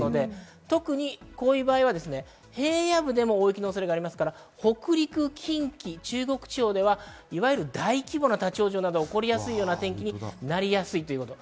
特にこういう場合は平野部でも大雪の恐れがありますから北陸、近畿、中国地方ではいわゆる大規模な立ち往生などが起こりやすいような天気になりやすいです。